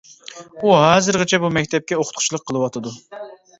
ئۇ ھازىرغىچە بۇ مەكتەپتە ئوقۇتقۇچىلىق قىلىۋاتىدۇ.